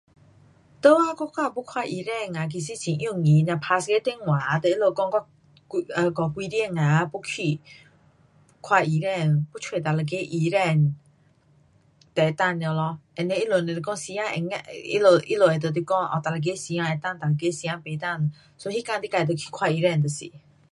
在咱国家要看医生啊其实很容易，nia 打一个电话啊跟他们讲我几，那个几点啊要去，看医生，要找哪一个医生，就能够了咯，and then 他们若是讲时间会合，他们，他们会跟你讲哦哪一个时间能够哪一个时间不能。so 那天你自就去看医生就是。